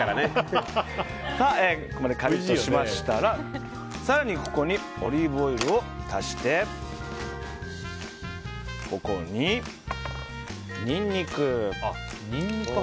カリッとしましたら更に、ここにオリーブオイルを足してここにニンニク。